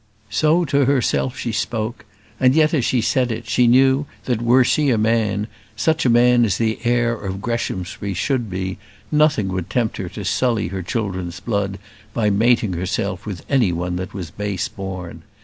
So to herself she spoke; and yet, as she said it, she knew that were she a man, such a man as the heir of Greshamsbury should be, nothing would tempt her to sully her children's blood by mating herself with any one that was base born.